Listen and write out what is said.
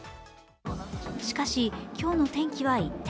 しかし、今日の天気は一転、